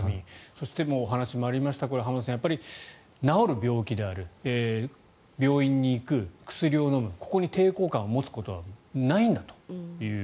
そして、お話にもありました浜田さん、治る病気である病院に行く、薬を飲むここに抵抗感を持つことはないんだと。